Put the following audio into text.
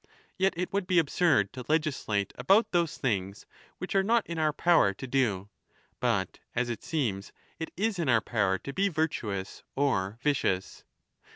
Yet it would be absurd to legislate about those things which are not in our power to do. But, as it seems, it is in our power to be virtuous or vicious.